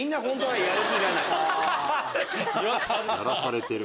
やらされてる。